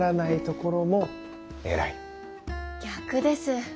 逆です。